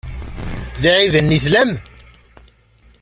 D iɛibanen i tellam?